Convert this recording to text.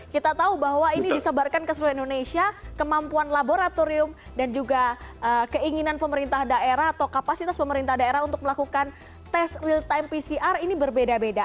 kita tahu bahwa ini disebarkan ke seluruh indonesia kemampuan laboratorium dan juga keinginan pemerintah daerah atau kapasitas pemerintah daerah untuk melakukan tes real time pcr ini berbeda beda